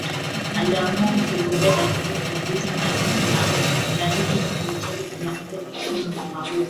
aliamua kutogombea katika uchaguzi na hivyo kipindi chake kinafika kikomo mwaka huu